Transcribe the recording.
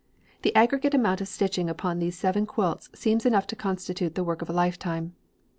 The aggregate amount of stitching upon these seven quilts seems enough to constitute the work of a lifetime.